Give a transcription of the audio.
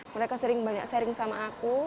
mereka sering banyak sharing sama aku